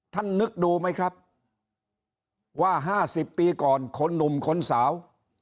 นึกดูไหมครับว่า๕๐ปีก่อนคนหนุ่มคนสาว